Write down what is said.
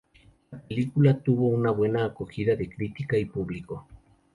La película tuvo una buena acogida de crítica y público.